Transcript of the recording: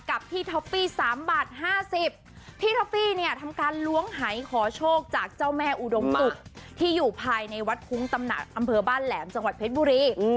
กับที่ท็อปปี้๓บาท๕๐พี่ท็อฟฟี่เนี่ยทำการล้วงหายขอโชคจากเจ้าแม่อุดมศุกร์ที่อยู่ภายในวัดคุ้งตำหนักอำเภอบ้านแหลมจังหวัดเพชรบุรี